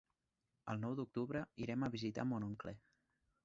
El nou d'octubre irem a visitar mon oncle.